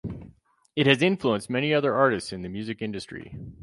It has influenced many other artists in the music industry.